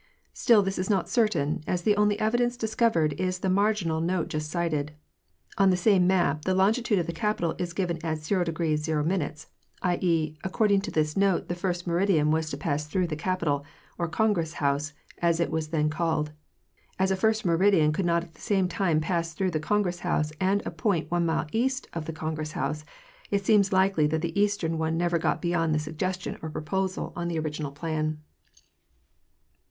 Still this is not certain, as the only evidence discovered is the marginal note just cited. On the same map the longitude of the Capitol is given as 0° 0, 7. e., according to this note the first meridian was to pass through the Capitol, or Congress house, as it was then called. As a first meridian could not at the same time pass through the Congress house and a point one mile east of the Congress house, it seems likely that the eastern one never got beyond the suggestion or proposal on the original plan.